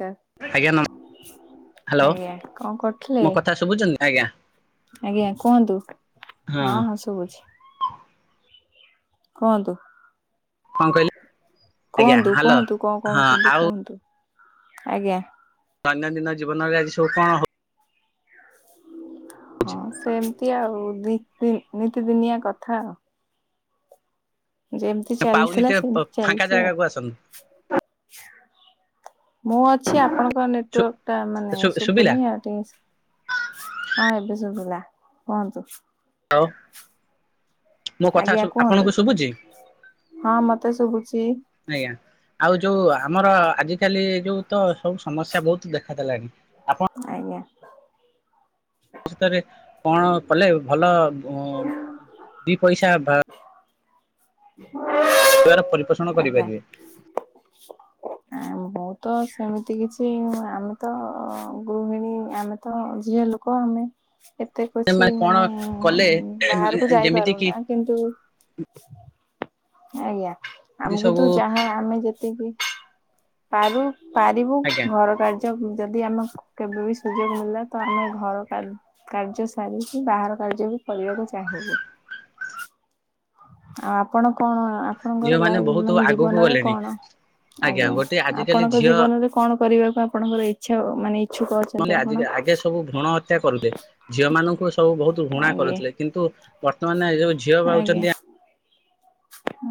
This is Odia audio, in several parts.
କା ଆଜ୍ଞା ନ ହାଲୋ କଣ କରୁଥିଲେ? ମୋ କଥା ଶୁଭୁଛନ୍ତି ଆଜ୍ଞା। ଆଜ୍ଞା କୁହନ୍ତୁ ହଁ ହଁ ଶୁଭୁଛି। କୁହନ୍ତୁ କଣ କହିଲେ ଆଜ୍ଞା କୁହନ୍ତୁ ହ୍ୟାଲୋ କୁହନ୍ତୁ କ ହଁ କହୁଛନ୍ତି ଆଉ କୁହନ୍ତୁ? ଆଜ୍ଞା। ଦୈନନ୍ଦିନ ଜୀବନରେ ଆଜି ସବୁ କଣ ହଁ ସେମିତି ଆଉ ନି-ନି-ନିତିଦିନିଆ କଥା। ଯେମିତି ପାଉନି ଚାଲିଥିଲା ଟିକେ ସେମ ଫାଙ୍କା ଚାଲିଛି ଆ ଜାଗାକୁ ଆସନ୍ତୁ। ମୁଁ ଅଛି ଆ ଆପଣଙ୍କ ଶୁ ନେଟୱାର୍କ ଟା ମାନେ ଶୁ ଶୁଭିଲା ଶୁଭୁନି ଆ ଟିକେ। ହଁ ଏବେ ଶୁଭିଲା କୁହନ୍ତୁ। [unintelligible] ମୋ କଥା ଆଜ୍ଞା ଶୁ କୁହନ୍ତୁ ଆପଣଙ୍କୁ ଶୁଭୁଛି? ହଁ ମତେ ଶୁଭୁଛି ଆଜ୍ଞା ଆଉ ଯୋଉ ଆମର ଆଜିକାଲି ଯୋଉ ତ ସବୁ ସମସ୍ୟା ବହୁତ ଦେଖା ଦେଲାଣି। ଆଜ୍ଞା। ସତ ରେ କଣ କଲେ ଭଲ ଓଁ ଦି ପଇସା ଵା ହ [unintelligible] ବାର ପରିପୋଷଣ କରିପାରିବେ। ଆ ମୁଁ ତ ସେମିତି କିଛି ଆମେ ତ ଆଉ। ଗୃହିଣୀ ଆମେ ତ ଝିଅ ଲୋକ ଆମେ। ଏତେ କିଛି ସେମାନେ କଣ ମାନେ କଲେ ବାହାରକୁ ଯେମିତି କିି ଯାଇପାରୁନା। କିନ୍ତୁ। ଆଜ୍ଞା ଆ ମୁଁ ସବୁ କିନ୍ତୁ ଚାହେଁ ଆମେ ଯେତିକି ପାରୁ। ପାରିବୁ ଆଜ୍ଞା ଘର କାର୍ଯ୍ୟ ଯଦି ଆମକୁ କେବେ ବି ସୁଯୋଗ ମିଳିଲା ତ ଆମେ ଘର କା କାର୍ଯ୍ୟ ସାରିକି ବାହାର କାର୍ଯ୍ୟ ବି କରିବାକୁ ଚାହିଁବୁ। ଆ ଆପଣ କଣ। ଆପଣଙ୍କର ଝିଅମାନେ ଲାଇ ବହୁତ ମାନେ ଆଗକୁ ଜୀବନରେ ଗଲେଣି କଣ ଆଜ୍ଞା ଗୋଟେ ଆଜିକାଲି ଆପଣଙ୍କ ଝିଅ ଜୀବନରେ। କଣ କରିବାକୁ ଆପଣଙ୍କର ଇଚ୍ଛା ମାନେ ଇଚ୍ଛୁକ ଅଛନ୍ତି [inaudible] ଆଜି ଆପଣ? କା ଆଗେ ସବୁ ଭୃଣ ହତ୍ୟା କରିଲେ ଝିଅ ମାନଙ୍କୁ ଏ ସବୁ ବହୁତ ଘୃଣା ଆଜ୍ଞା କରୁଥିଲେ। କିନ୍ତୁ ବର୍ତ୍ତମାନ ଏଇ ଯୋଉ। ଝିଅ ଆଜ୍ଞା ପାଉଛନ୍ତି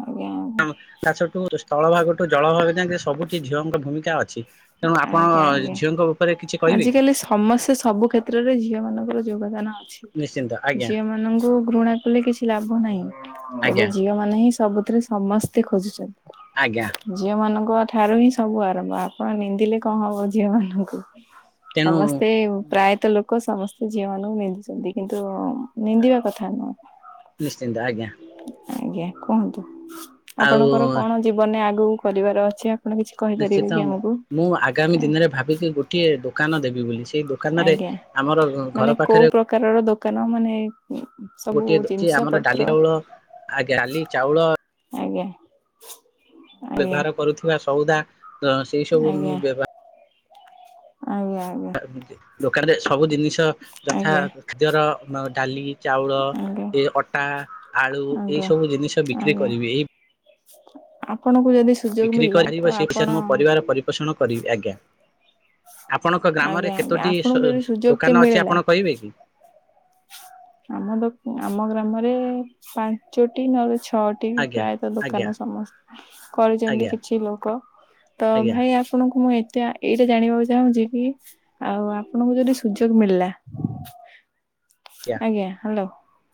ଆଜ୍ଞା। ଆଜ୍ଞା ତା ସେଠୁ ସ୍ଥଳ ଭାଗଠୁ ଜଳ ଭାଗ ଯାକେଁ ସବୁଠି ଝିଅଙ୍କ ଭୂମିକା ଅଛି। ତେଣୁ ଆଜ୍ଞା ଆପଣ ଆଜ୍ଞା। ଝିଅଙ୍କ ଉପରେ କିଛି କହିବେ କି? ଆଜିକାଲି ସମସ୍ତେ ସବୁ କ୍ଷେତ୍ରରେ ଝିଅ ମାନଙ୍କର ଯୋଗଦାନ ଅଛି। ନିଶ୍ଚିନ୍ତ ଆଜ୍ଞା ଝିଅ ମାନଙ୍କୁ ଘୃଣା କଲେ କିଛି ଲାଭ ନାହିଁ। ଏବେ ଆଜ୍ଞା ଝିଅମାନେ ହିଁ ସବୁଥିରେ ସମସ୍ତେ ଖୋଜୁଛ ଆଜ୍ଞା। ଝିଅ ମାନଙ୍କ ଠାରୁ ହିଁ ସବୁ ଆରମ୍ଭ ଆପଣ ନିନ୍ଦିଲେ କଣ ହବ ଝିଅ ମାନଙ୍କୁ। ତେଣୁ ସମସ୍ତେ। ପ୍ରାୟତ ଲୋକ ସମସ୍ତେ ଝିଅ ମାନଙ୍କୁ ନିନ୍ଦୁଛନ୍ତି କିନ୍ତୁ ନିନ୍ଦିବା କଥା ନୁହଁ। ନିଶ୍ଚିନ୍ତ ଆଜ୍ଞା। ଆଜ୍ଞା କୁହନ୍ତୁ ଆଉ ଆପଣଙ୍କର କଣ ଜୀବନରେ ଆଗକୁ କରିବାର ଅଛି ଆ ଆପଣ କିଛି ନିଶ୍ଚିତ କହିପାରିବେ କି ଆମକୁ? ମୁଁ ଆଗାମୀ ଦିନେରେ ଭାବିଚି ଗୋଟିଏ ଦୋକାନ ଦେବି ବୋଲି। ସେଇ ଦୋ ଦୋକାନରେ ଆମର ଘର ପାଖେରେ କାର ର ଦୋକାନ ମାନେ ଉଁ ସବୁ ଗୋଟିଏ ଅଛି ଜିନିଷ ଆମର ଡାଲି ପତ୍ର ଚାଉଳ ଆଜ୍ଞା ଡାଲି ଚାଉଳ ଆଜ୍ଞା। ଆଜ୍ଞା ବ୍ୟବହାର କରୁଥିବା ସଉଦା ସେଇ ସବୁ ଆଜ୍ଞା ମୁଁ ବ୍ୟବ ଆଜ୍ଞା ଆଜ୍ଞା। ଦେ-ଦୋକାନରେ ସବୁ ଜିନିଷ ଯଥା ଆଜ୍ଞା ଖାଦ୍ୟର ମ୍ ଡାଲି ଚାଉଳ ଆଜ୍ଞା ଏ ଅଟା ଆଳୁ ଏଇ ଆଜ୍ଞା ସବୁ ଜିନିଷ ବିକ୍ରି ଆଜ୍ଞା କରିବି ଏଇ ଆପଣଙ୍କୁ ଯଦି ସ୍ ବିକ୍ରି କରାଯିବ ସେ ପଇସାରୁ ମୋ ପରିବାର ପରିପୋଷଣ କରିବି ଆଜ୍ଞା। ଆପଣଙ୍କ ଆଜ୍ଞା ଗ୍ରାମରେ ଆଜ୍ଞା କେତୋଟି ଆପଣଙ୍କୁ ଯଦି ସୁଯୋଗଟି ସ-ସ୍-ଦୋକାନ ଅଛି ମିଳିଲା ଆପଣ କହିବେ କି? ଆମ ଦୋ ଆମ ଗ୍ରାମରେ ପାଞ୍ଚୋଟି ନହଲେ ଛଅଟି ଟି ଆଜ୍ଞା ପ୍ରାୟତଃ ଆଜ୍ଞା ଦୋକାନ ସମସ୍ତ କରିଚନ୍ତି ଆଜ୍ଞା କିଛି ଲୋକ। ତ ଆଜ୍ଞା ଆଜ୍ଞା ଭାଇ ଆପ୍ ଆପଣଙ୍କୁ ମୁଁ ଏତେ ଏଇଟା ଜାଣିବାକୁ ଚାହୁଁଛି କି ଆଉ ଆପଣଙ୍କୁ ଯଦି ସୁଯୋଗ୍ ମିଳିଲା ଆଜ୍ଞା ହାଲୋ,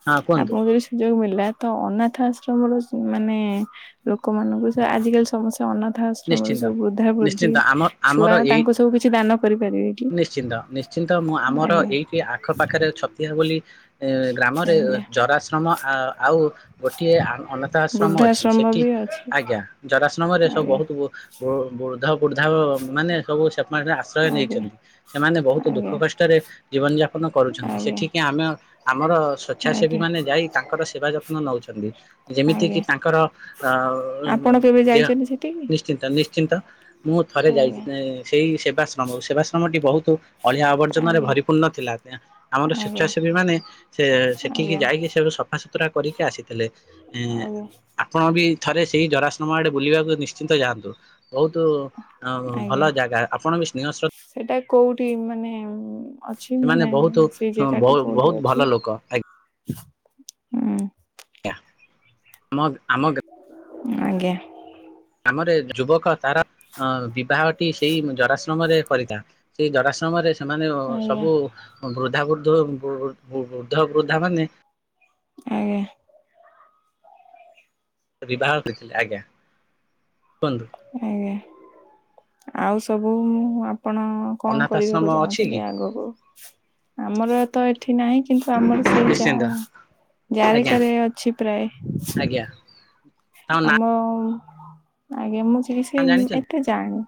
ହଁ କୁହନ୍ତୁ ଆପଣଙ୍କୁ ଯଦି ସୁଯୋଗ ମିଳିଲା ତ ଅନାଥ ଆଶ୍ରମରୁ ସ-ମାନେ ଲୋକମାନଙ୍କୁ ଆଜିକାଲି ସମସ୍ତେ ଯୋ ଅନାଥ ଆଶ୍ରମରୁ ନିଶ୍ଚିନ୍ତ ସବୁ ବୃଦ୍ଧା ବୃଦ୍ଧି ନିଶ୍ଚିନ୍ତ ଆମ ଆମର ଛୁଆ ଏଇ ତାଙ୍କୁ ସବୁ କିଛି ଦାନ କରିପାରିବେ କି? ନିଶ୍ଚିନ୍ତ ନିଶ୍ଚିନ୍ତ ମୁଁ ଆମର ଆଜ୍ଞା ଏଇଠି ଆଖପାଖରେ ଛତିଆ ବୋଲି ଏ ଗ୍ରାମରେ ଆଜ୍ଞା ଜରାଶ୍ରମ ଆ ଆଉ ଗୋଟିଏ ଆ-ଅନାଥ ଆଶ୍ରମ ଅଛି। ବୃଦ୍ଧାଶ୍ରମ ସେଠି ବି ଅଛି ଆଜ୍ଞା ଜରାଶ୍ରମରେ ସବୁ ଆଜ୍ଞା। ବହୁତ୍ ବୃଦ୍ଧ ବୃଦ୍ଧା ମାନେ ସବୁ ସେ ମାନେ ଆଶ୍ରୟ ଆଜ୍ଞା ନେଇଚନ୍ତି। ସେମାନେ ବହୁତୁ ଦୁଃଖ ଆଜ୍ଞା କଷ୍ଟରେ ଜୀବନ ଯାପନ କରୁଛନ୍ତି। ଆଜ୍ଞା ସେଠିକି ଆମେ ଆମର ସ୍ ସ୍ଵେଚ୍ଛାସେବୀ ଆଜ୍ଞା ମାନେ ଯାଇ ତାଙ୍କର ସେବା ଯତ୍ନ ନଉଛନ୍ତି। ଯେମିତି କିି ଆଜ୍ଞା। ତାଙ୍କର ଅ ଆପଣ କେବେ ଦେହ ଯାଇଛନ୍ତି ସେଠିକି? ନିଶ୍ଚିନ୍ତ ନିଶ୍ଚିନ୍ତ ମୁଁ ଥରେ ଆଜ୍ଞା ଯାଇଚି ଏଁ ସେଇ ସେବାଶ୍ରମକୁ। ସେବାଶ୍ରମଟି ବହୁତୁ ଅଳିଆ ଆବର୍ଜନାରେ ଆଜ୍ଞା ଭରିପୂର୍ଣ୍ଣ ଥିଲା। ଆମର ଆଜ୍ଞା ସ୍ଵେଚ୍ଛାସେବୀ ମାନେ ସେ ସେଠିକି ଆଜ୍ଞା ଯାଇକି ସେଠୁ ସଫାସ ତୁରା କରିକି ଆସିଥିଲେ। ଏଁ ଆଜ୍ଞା ଆପଣ ବି ଥରେ ସେଇ ଜରାଶ୍ରମ ଆଡେ ବୁଲିବାକୁ ନିଶ୍ଚି ଶ୍ଚିନ୍ତ ଯାଆନ୍ତୁ। ବହୁତୁ ଅଁ ଭଲଜାଗା ଆପଣ ବି ସ୍ନେହ ଶ୍ର ହେଟା କୋଉଠି ମାନେ ଉଁ ଅଛି ସେମାନେ ମାନେ ବହୁତ ସେଇ ଜେଗାଟି କୋଉଠି ବହୁତ ଭଲ ଅଛି ଲୋକ ହୁଁ। [inaudible] ଆମ ଆମ ଗ୍ରା ଆଜ୍ଞା। ଆମରେ ଯୁବକ ତାର ଅ ବିବାହଟି ସେଇ ଜରାଶ୍ରମରେ କରିଥା ସେଇ ଜରାଶ୍ରୟରେ ସେମାନେ ଆଜ୍ଞା ସବୁ ବୃଦ୍ଧାବୃଦ୍ଧୁ ବୁ-ବୃଦ୍ଧ ବୃଦ୍ଧା ମାନେ ଆଜ୍ଞା। ବିବାହ କରିଥିଲେି ଆଜ୍ଞା କୁହନ୍ତୁ। ଆଜ୍ଞା ଆଉ ସବୁ ଉଁ ଆପଣ କଣ ଅନାଥ ଆଶ୍ରମ କରିବାକୁ ଅଛି କି ଚାହୁଁଚନ୍ତି ଆଗକୁ? ଆମର ତ ଏଠି ନାହିଁ କିନ୍ତୁ ଆମର ସେଇ ଯା ନିଶ୍ଚିନ୍ତ ଯାରେ ଆଜ୍ଞା କାରେ ଅଛି ପ୍ରାୟ। ଆଜ୍ଞା ତାଙ୍କ ନାଁ ଆମ ଆଜ୍ଞା ମୁଁ ସେ କି ସେ ଜାଣିଛନ୍ତି ଏତେ ଜାଣି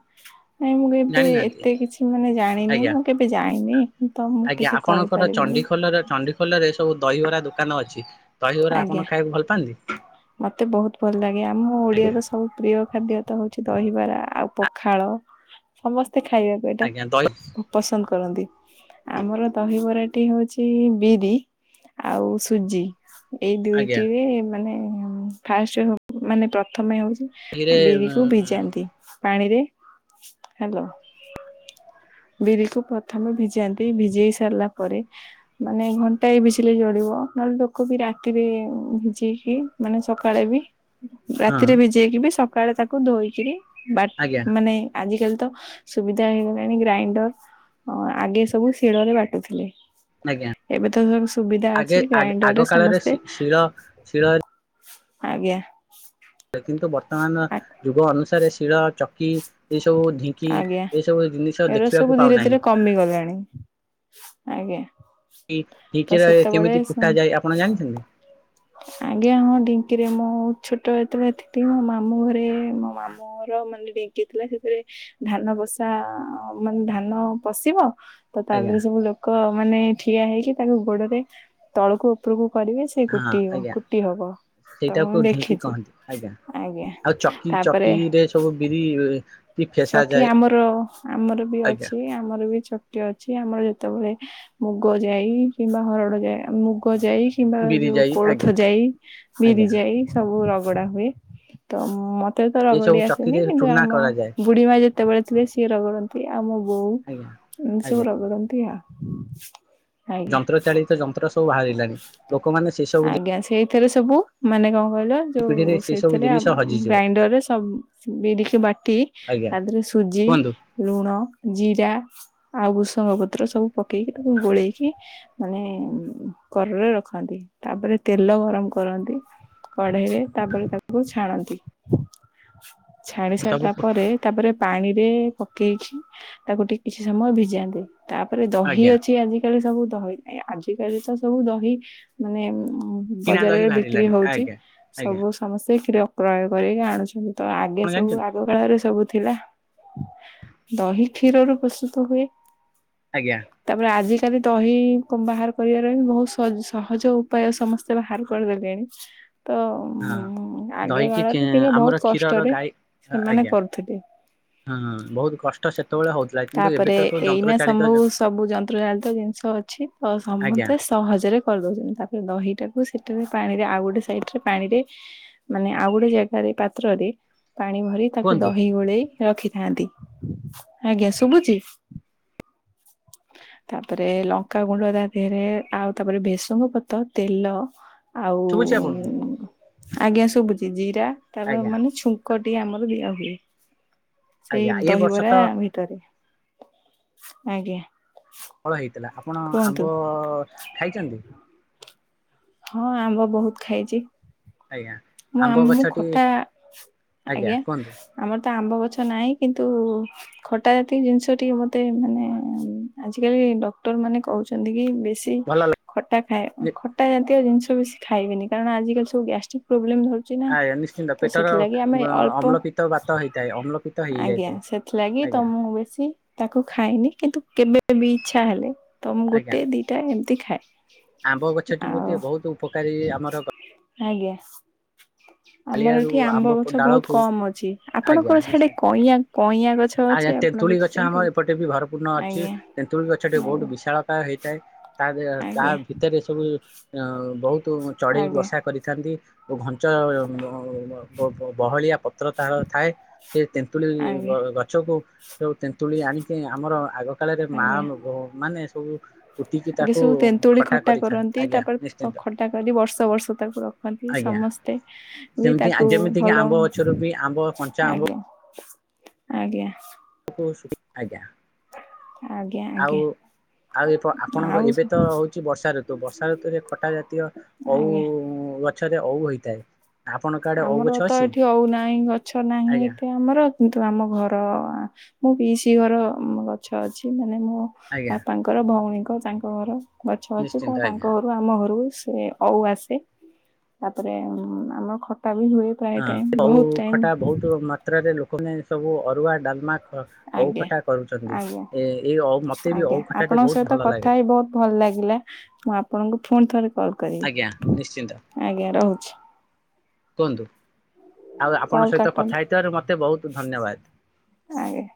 ନାଇଁ ମୁଁ କେବେ ଜାଣିନାହାନ୍ତି ଏତେ କିଛି ମାନେ ଜାଣିନି ଆଜ୍ଞା ମୁଁ କେବେ ଯାଇନି। ତ ମୁଁ ଆଜ୍ଞା କିଛି ଆପଣଙ୍କର କହିପାରିବିନି ଚଣ୍ଡିଖୋଲର ଚଣ୍ଡିଖୋଲରେ ସବୁ ଦହିବରା ଦୋକାନ ଅଛି। ଦହିବରା ଆପଣ ଆଜ୍ଞା ଖାଇବାକୁ ଭଲ ପାଆନ୍ତି ମତେ ବହୁତ ଭଲ ଲାଗେ ଆମ ଆଜ୍ଞା ଓଡିଆର ସବୁ ପ୍ରିୟ ଖାଦ୍ୟ ତ ହଉଛି ଦହିବରା ଆଉ ପଖାଳ ସମସ୍ତେ ଖାଇବା ଆଜ୍ଞା ଦହି ପସନ୍ଦ କରନ୍ତି। ଆମର ଦହିବରା ଟି ହଉଛି ବିରି ଆଉ ସୁଜି ଏଇ ଆଜ୍ଞା ଦୁଇଟିରେ ମାନେ ଫାଷ୍ଟ ମାନେ ପ୍ରଥମେ ହଉଛି ଦହିରେ ବିରିକୁ ଭିଜାନ୍ତି ପାଣିରେ ହ୍ୟାଲୋ। ବିରିକୁ ପ୍ରଥମେ ଭିଜାନ୍ତି ଭିଜେଇ ସାରିଲା ପରେ ମାନେ ଘଣ୍ଟାଏ ଭିଝିଲେ ଜଳିବ ନହେଲେ ଲୋକ ବି ରାତିରେ ଭିଜେଇକି ମାନେ ସକାଳେ ବି ହଁ ରାତିରେ ଭିଜେଇକି ବି ସକାଳେ ତାକୁ ଧୋଇକିରି ବା ଆଜ୍ଞା ମାନେ ଆଜିକାଲି ତ ସୁବିଧା ହେଇଗଲା। ଗ୍ରାଇଣ୍ଡର ଆଗେ ସବୁ ଶିଳରେ ବାଟୁଥିଲେ। ଆଜ୍ଞା ଏବେ ତ ସବୁ ସୁବିଧା ଆଗେ ଅଛି ଗ୍ରାଇଣ୍ଡର ରେ ଆଗ କାଳରେ ସମସ୍ତେ ଶିଳ ଶିଳ ଆଜ୍ଞା। କିନ୍ତୁ ବର୍ତ୍ତମାନ ଯୁଗ ଅନୁସାରେ ଶିଳ ଚକି ଏ ସବୁ ଢିଙ୍କି ଆଜ୍ଞା ଏଇ ସବୁ ଜିନିଷ ଏଗୁରା ଦେଖିବାକୁ ସବୁ ଧୀରେ ପାଉନାହିଁ ଧୀରେ କମିଗଲାଣି ଆଜ୍ଞା। ତ [unintelligible] କେମିତି ସେତେବେଳେ ଫୁଟା ଯାଏ ଆପଣ ଜାଣିଛନ୍ତି? ଆଜ୍ଞା ହଁ ଢଙ୍କିରେ ମୁଁ ଛୋଟ ଯେତେବେଳେ ଥିଲି ମୋ ମାମୁଁ ଘରେ ମୋ ମାମୁଁ ମୋର ମାନେ ଢେଙ୍କି ଥିଲା ସେଥିରେ ଧାନ ବସା ମାନେ ଧାନ ପଶିବ। ତ ତା ଆଜ୍ଞା ଦେହରେ ସବୁ ଲୋକ ମାନେ ଠିଆ ହେଇକି ତାକୁ ଗୋଡରେ ତଳକୁ ଉପରକୁ କରିବେ। ସେ ହଁ। କୁଟିବ ଆଜ୍ଞା କୁଟି ହବ ତ ମୁଁ ସେଇଟାକୁ ଢିଙ୍କି ଦେଖିଛି କହନ୍ତି ଆଜ୍ଞା ଆଜ୍ଞା ଆଉ ଚକି ତାପରେ ଚକିରେ ରେ ସବୁ ବିରି କି ଫେସା ଚକି ଯାଏ ଆମର ଆମର ବି ଆଜ୍ଞା ଅଛି ଆମର ବି ଚକି ଅଛି। ଆମର ଯେତେବେଳେ ମୁଗ ଯାଇ କିମ୍ବା ହରଡ ଯା ମୁଗ ଯାଇ କିମ୍ବା ବିରି ଯୋଉ ଯାଇ ଆଜ୍ଞା କୋଳଥ ଯାଇ ବିରି ଆଜ୍ଞା ଯାଇ ସବୁ ରଗଡ଼ା ହୁଏ। ତ ମୋ ତେ ତ ଏ ରଗଡି ସବୁ ଆସେନି ଚକିରେ କିନ୍ତୁ ଚୂନା ଆମ କରାଯାଏ ବୁଢୀ ମା ଯେତେବେଳେ ଥିଲେ ସିଏ ରଗଡ଼ନ୍ତି ଆଉ ଆମ ବୋଉ। ଆଜ୍ଞା ଏମିତି ଆଜ୍ଞା ସବୁ ରଗଡନ୍ତି ଆଉ। ଆଜ୍ଞା ଯନ୍ତ୍ର ଚାଳିତ ଯନ୍ତ୍ର ସବୁ ବାହାରିଲାଣି ଲୋକମାନେ ସେ ସବୁ ଆଜ୍ଞା ସେଇ ଥିରେ ସବୁ ମାନେ କଣ କହିଲ ଯୋଉ ପିଢିରେ ସେ ସବୁ ସେଥିରେ ଜିନିଷ ହଜିଯିବ ଗ୍ରାଇଣ୍ଡରରେ ସବୁ ବିରିକି ବାଟି ଆଜ୍ଞା ତା ଦେହରେ ସୁଜି, କୁହନ୍ତୁ ଲୁଣ, ଜିରା ଆଉ ଭୃସଙ୍ଗ ପତ୍ର ସବୁ ପକେଇକି ତାକୁ ଗୋଳେଇକି ମାନେ କରରେ ରଖନ୍ତି। ତାପରେ ତେଲ ଗରମ କରନ୍ତି। କଢେଇରେ ତାପରେ ତାଙ୍କୁ ଛାଣନ୍ତି। ଛାଣି ସବୁ ସାରିଲା ପରେ ତାପରେ ପାଣିରେ ପକେଇଛି ତାକୁ ଟିକେ କିଛି ସମୟ ଭିଜାନ୍ତି। ତାପରେ ଦହି ଆଜ୍ଞା ଅଛି ଆଜି ଆଜି କାଲି ସବୁ ଦହି ଆଜିକାଲି ତ ସବୁ ଦହି ମାନେ କିଣା ଦହି ବଜାରରେ ବିକ୍ରି ବାହାରିଲାଣି ହଉଛି ଆଜ୍ଞା ଆଜ୍ଞା ସବୁ ସମସ୍ତେ କ୍ଷୀର କ୍ରୟ କରିକି ଆଣୁଛନ୍ତି ତ ଆଗେ ଆପଣ ସବୁ ଜାଣିଛନ୍ତି ଆଗ ମେଳାରେ ସବୁ ଥିଲା ଦହି କ୍ଷୀରରୁ ପ୍ରସ୍ତୁତ ହୁଏ। ଆଜ୍ଞା। ତାପରେ ଆଜିକାଲି ଦହି ବାହାର କରିବାର ବହୁତ ସହଜ ଉପାୟ ସମସ୍ତେ ବାହାର କରିଦେଲେଣି। ତ ହଁ ଉ ଆଗେ ଦହିକି କଳରେ ଚେ ଟିକେ ଆମର ବହୁତ କ୍ଷୀରର କଷ୍ଟରେ ଗାଈ ଏମାନେ ଆଜ୍ଞା କରୁଥିଲେ। ହଁ ବହୁତ କଷ୍ଟ ସେତେବେଳେ ହଉଥିଲା କିନ୍ତୁ ଏବେ ତ ତାପରେ ସବୁ ଯନ୍ତ୍ର ଏଇନା ଚାଳିତ ସମ୍ଭ ସବୁ ଯନ୍ତ୍ର ଜାନ୍ତ୍ର ଜିନିଷ ଅ ଅଛି ଆଉ ଆଜ୍ଞା ସମସ୍ତେ ସହଜରେ କରିଦଉଛନ୍ତି ତାପରେ ଦହିଟାକୁ ସେଠାରେ ପାଣିରେ ଆଉ ଗୋଟେ ସାଇଡରେ ପାଣିରେ ମାନେ ଆଉ ଗୋଟେ ଜାଗାରେ ପାତ୍ରରେ ପାଣି ଭରି ତାକୁ କୁହନ୍ତୁ ଦହି ଗୋଳେଇ ରଖିଥାନ୍ତି। ଆଜ୍ଞା ଶୁଭୁଛିି? ତାପରେ ଲଙ୍କା ଗୁଣ୍ଡ ତା ଦେହରେ ଆଉ ତାପରେ ଭେସୁଙ୍ଗ ପତ୍ର ତେଲ ଆଉ ଶୁଭୁଛି ଆପଣଙ୍କୁ ଆଜ୍ଞା ଶୁଭୁଛି ଜିରା ତାର ଆଜ୍ଞା ମାନେ ଛୁଙ୍କଟି ଆମର ଫୁଲିଆ ହୁଏ ସେଇ ଆଜ୍ଞା ଏ ବର୍ଷ ଦହିବରା ତ ଭି ତରେ ଆଜ୍ଞା। ଫଳ ହେଇଥିଲା ଆପଣ କୁହନ୍ତୁ ଆମ୍ବ ଖାଇଛନ୍ତି? ହଁ ଆମ୍ବ ବହୁତ ଖାଇଛି। ଆଜ୍ଞା। ମୁଁ ଆମ୍ବ ଆମ ଗଛଟି ଖଟା, ଆଜ୍ଞା। ଆମର ତ ଆମ୍ବ ଗଛ ନାହିଁ କିନ୍ତୁ ଖଟା ଜାତି ଜିନିଷ ଟିକେ ମତେ ମାନେ ଆଜିକାଲି ଡକ୍ଟର ମାନେ କହୁଛନ୍ତି କି ବେଶୀ ଭଲ ଖଟା ଖ ଲାଗେ? ଖଟା ଜାତୀୟ ଜିନିଷ ବେଶି ଖାଇବେନି କାରଣ ଆଜିକାଲି ସବୁ ଗ୍ୟାଷ୍ଟିକ ପ୍ରୋବ୍ଲେମ ଧର ଚିନା ଆଜ୍ଞା ନିଶ୍ଚିନ୍ତ ତ ପେଟର ସେଥିଲାଗି ଆମେ ଅଳ୍ପ ଅମ୍ଳପିତ ବାତ ହେଇଥାଏ ଅମ୍ଳପିତ ଆଜ୍ଞା ହେଇଯାଇଥାଏ ସେ ଥିଲା ଗି ଆଜ୍ଞା ତମକୁ ବେଶୀ ତାକୁ ଖାାଇନି କିନ୍ତୁ କେବେ ବି ଇଚ୍ଛା ହେଲେ ତମ ଆଜ୍ଞା ଗୋଟେ ଦିଟା ଏମିତି ଖାଏ। ଆମ୍ବ ଗଛଟି ଆଉ ଗୋଟେ ବହୁତ ଉପକାରୀ ଆମର ଗ ଆଜ୍ଞା। ଆମର କାଳିଆରୁ ଏଠି ଆମ୍ବ ଗଛ ବହୁତ ଡାଳକୁ କମ ଅଛି ଆଜ୍ଞା ଆପଣଙ୍କର ସେଠି ନିଶ୍ଚୟ କଇଁଆ। କଇଁଆ ଗଛ। ଅଛି ଆଜ୍ଞା ଆପଣ ତେନ୍ତୁଳି ଗଛ ଦେଖିଛନ୍ତି? ଆମର ଏପଟେ ବି ଭରପୂର୍ଣ୍ଣ ଅଛି ଆଜ୍ଞା ତେନ୍ତୁଳି ଗଛଟେ ବହୁତ ଆଜ୍ଞା ବିଶାଳକାୟ ହେଇଥାଏ। ତା ଦେ ତା ଆଜ୍ଞା ଭିତରେ ସବୁ ବହୁତ ଚଢେଇ ଆଜ୍ଞା ବସା କରିଥାନ୍ତି। ଓ ଘଞ୍ଚ ବହଳିଆ ପତ୍ର ତାର ଥାଏ। କେ ତେନ୍ତୁଳି ଗ ଆଜ୍ଞା। ଗ ଗଛକୁ ଯଉ ତେନ୍ତୁଳି ଆଣିକି ଆମର ଆଗ କାଳରେ ମା ଆଜ୍ଞା ମାନେ ସବୁ। କୁଟିକି ଆଗେ ତାକୁ ସବୁ ତେନ୍ତୁଳି ଖଟା କରିଥାନ୍ତି କରନ୍ତି ଆଜ୍ଞା ତାପରେ ନିଶ୍ଚିନ୍ତ ଖଟା କରି ବର୍ଷ ବର୍ଷ ତାକୁ ରଖ ରଖନ୍ତି ଆଜ୍ଞା ସମସ୍ତେ ବି ସେମିତି ତାକୁ ଯେମିତିକି ଭଲ ଆମ୍ବ ଗଛରୁ ବି ଆମ୍ବ କଞ୍ଚା ଆଗେ। ଆଜ୍ଞା। କହୁଛନ୍ତି ଆଜ୍ଞା। ଆଜ୍ଞା ଆଉ ଆଗେ। ଆଉ ଏ ଆପଣଙ୍କ ଏବେ ତ ହଉଛି ବର୍ଷା ଋତୁ ବର୍ଷା ଋତୁରେ ଖଟା ଜାତୀୟ ଅଉ ଆଜ୍ଞା ଗଛରେ ଅଉ ହୋଇଥାଏ। ଆପଣଙ୍କ ଆଡେ ଓଉ ଆମର ଗଛ ତ ଅଛି? ଏଠି ହଉନାହିଁ, ଗଛ ନାହିଁ, ଆଜ୍ଞା ଏତେ ଆମର। କିନ୍ତୁ ଆମ ଘର ମୁଁ ପିଇଶି ଘର ଗଛ ଅଛି ମାନେ ମୁଁ ଆଜ୍ଞା ବାପାଙ୍କ ଙ୍କର ଭଉଣୀଙ୍କ ତାଙ୍କ ଘର ଗଛ ଅଛି ତ ନିଶ୍ଚିନ୍ତ ତାଙ୍କ ଆଜ୍ଞା ଆମ ଘରୁ ସେ ଅଉ ଆସେ, ତାପରେ ଆମର ଖଟା ବି ହୁଏ ପ୍ରାଏ ଟାଇମ୍ ବହୁତ ଟାଇମ୍। ତୋ ମାତ୍ରାରେ ଲୋକମାନେ ସବୁ ଅରୁଆ ଡାଲମା ଖ ଓଉ ଆଜ୍ଞା। ଖଟା କରୁଛନ୍ତି ଆଜ୍ଞା ଏ ଏ ଅଉ ମତେ ବି ଆଜ୍ଞା ଓଉ ଖଟା ବି ଆପଣଙ୍କ ବହୁତ ସହିତ ଭଲ କଥା ଲାଗେ। ହେଇ ବହୁତ ଭଲ ଲାଗିଲା ମୁଁ ଆପଣଙ୍କୁ ଫୁଣି ଥରେ କଲ୍ ଆଜ୍ଞା ନିଶ୍ଚିନ୍ତ କରିବି ଆଜ୍ଞା ରହୁଛି? କୁହନ୍ତୁ ଆଉ ଆପଣଙ୍କ କଲ୍ ସହିତ କାଟନ୍ତୁ କଥା ହେଇଥିବାରୁ ମତେ ବହୁତ ଧନ୍ୟବାଦ। ଆଜ୍ଞା।